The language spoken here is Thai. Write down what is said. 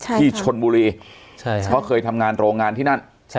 ที่ชนบุรีเพราะเคยทำงานโรงงานที่นั่น